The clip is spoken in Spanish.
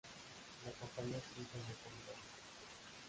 La compañía existe en la actualidad.